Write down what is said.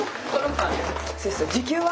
「時給は？」